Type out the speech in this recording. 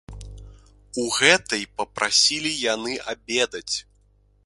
У гэтай папрасілі яны абедаць.